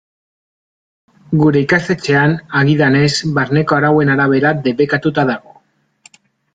Gure ikastetxean, agidanez, barneko arauen arabera debekatuta dago.